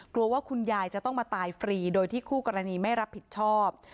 กลัวว่าคุณยายจะต้องมาตายฟรีโดยที่คู่กรณีไม่รับผิดชอบ